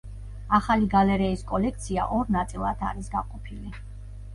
ახალი გალერეის კოლექცია ორ ნაწილად არის გაყოფილი.